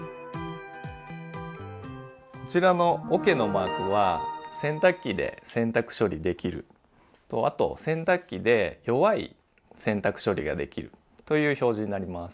こちらのおけのマークは洗濯機で洗濯処理できるあと洗濯機で弱い洗濯処理ができるという表示になります。